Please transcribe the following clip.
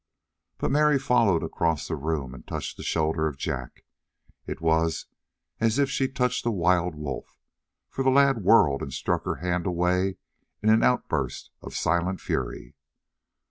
But Mary followed across the room and touched the shoulder of Jack. It was as if she touched a wild wolf, for the lad whirled and struck her hand away in an outburst of silent fury.